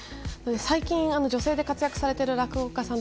最近女性で活躍されている落語家さん